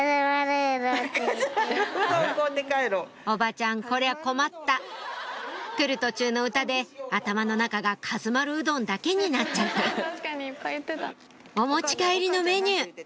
おばちゃんこりゃ困った来る途中の歌で頭の中がかず丸うどんだけになっちゃったお持ち帰りのメニュー